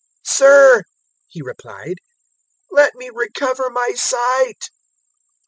"Sir," he replied, "let me recover my sight."